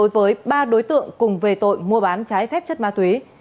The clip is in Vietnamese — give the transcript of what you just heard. với ba đối tượng cùng về tội mua bán trái phép chất ma túy